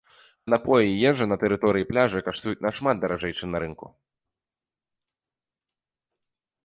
А напоі і ежа на тэрыторыі пляжа каштуюць нашмат даражэй, чым на рынку.